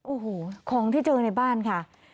โอ้โหของที่เจอในบ้านค่ะ